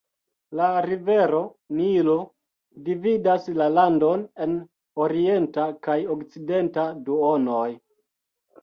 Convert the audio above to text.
La rivero Nilo dividas la landon en orienta kaj okcidenta duonoj.